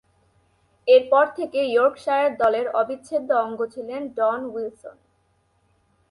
এরপর থেকে ইয়র্কশায়ার দলের অবিচ্ছেদ্য অঙ্গ ছিলেন ডন উইলসন।